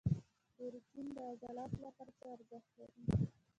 پروټین د عضلاتو لپاره څه ارزښت لري؟